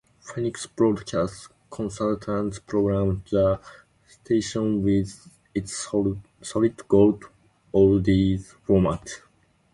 Phoenix Broadcasting Consultants programmed the station with its "Solid Gold" oldies format.